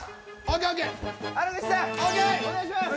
お願いします！